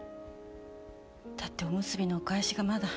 だっておむすびのお返しがまだ。